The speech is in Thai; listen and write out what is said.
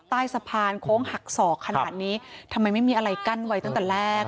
ใต้สะพานโค้งหักศอกขนาดนี้ทำไมไม่มีอะไรกั้นไว้ตั้งแต่แรก